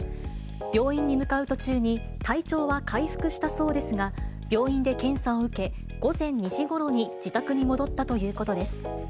病院に向かう途中に体調は回復したそうですが、病院で検査を受け、午前２時ごろに自宅に戻ったということです。